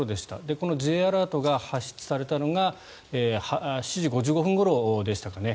このＪアラートが発出されたのが７時５５分ごろでしたかね。